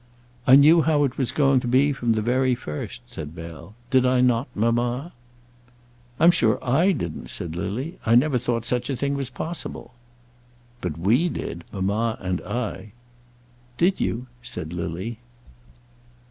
"I knew how it was going to be from the very first," said Bell. "Did I not, mamma?" "I'm sure I didn't," said Lily. "I never thought such a thing was possible." "But we did, mamma and I." "Did you?" said Lily.